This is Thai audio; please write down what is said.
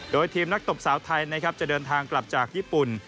โดยทีมนักตบสาวไทยนะครับจะเดินทางกลับจากญี่ปุ่น